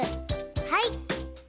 はい。